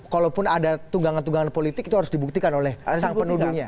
kalaupun ada tunggangan tunggangan politik itu harus dibuktikan oleh sang penuduhnya